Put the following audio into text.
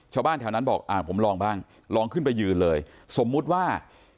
ชาวบ้านแถวนั้นบอกอ่าผมลองบ้างลองขึ้นไปยืนเลยสมมุติว่า